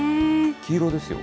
黄色ですよ。